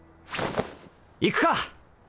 行くか。